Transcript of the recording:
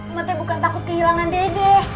umatnya bukan takut kehilangan dede